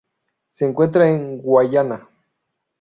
Se encuentra en Guayana.